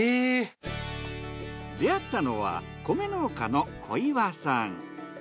出会ったのは米農家の小岩さん。